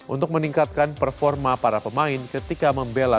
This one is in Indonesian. untuk meningkatkan performa para pemain ketika membela